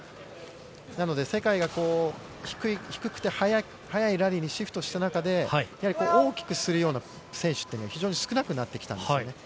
なので世界が低くて速いラリーにシフトした中で、やはり大きくするような選手っていうのは非常に少なくなってきたんですね。